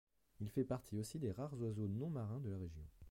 Il fait partie aussi des rares oiseaux non marins de la région.